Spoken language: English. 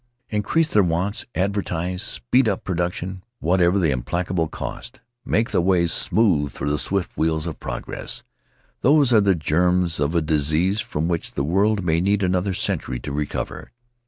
Increase their wants, advertise, speed up production — whatever the impalpable cost, make the way smooth for the swift wheels of progress — those are the germs of a disease from which the world may need another century to recover.